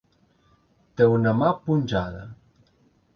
Té una mà punxada.